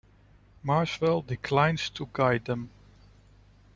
Marswell declines to guide them.